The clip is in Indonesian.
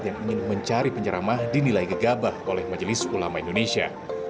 yang ingin mencari penceramah dinilai gegabah oleh majelis ulama indonesia